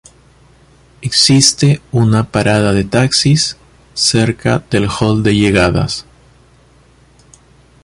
Existe una parada de taxis cerca del hall de llegadas.